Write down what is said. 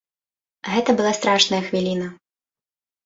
Гэта была страшная хвіліна.